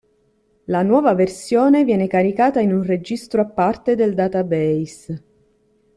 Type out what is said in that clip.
La nuova versione viene caricata in un registro a parte del database.